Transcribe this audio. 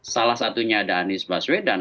salah satunya ada anies baswedan